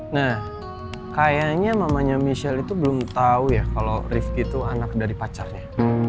nah kayaknya mamanya michelle itu belum tahu ya kalau rifki itu anak dari pacarnya